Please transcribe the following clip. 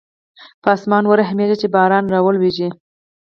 په اسمان ورحمېږه چې باران راولېږي.